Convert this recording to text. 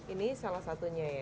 ini salah satunya ya